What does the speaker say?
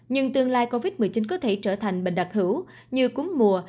nhưng tương lai covid một mươi chín có thể trở thành bệnh đặc hữu như cúm mùa